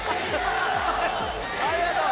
ありがとう！